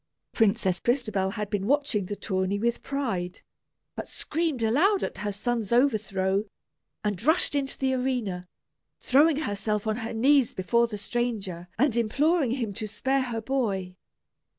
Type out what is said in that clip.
Princess Crystabell had been watching the tourney with pride, but screamed aloud at her son's overthrow, and rushed into the arena, throwing herself on her knees before the stranger and imploring him to spare her boy.